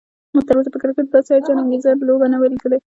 ما تراوسه په کرکټ کې داسې هيجان انګیزه لوبه نه وه لیدلی